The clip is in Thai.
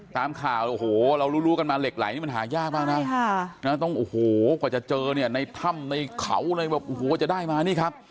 ตามข่าวโอ้โหเรารู้กันมาเหล็กไหลนี่มันหายากมากนะต้องโอ้โหกว่าจะเจอเนี่ยในถ้ำในเขาเลยแบบโอ้โหกว่าจะได้มานี่ครับ